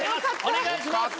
お願いします。